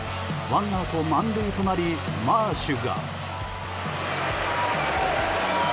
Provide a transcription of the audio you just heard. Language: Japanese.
ワンアウト満塁となりマーシュが。